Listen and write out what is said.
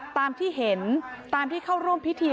ตามที่เห็นตามที่เข้าร่วมพิธี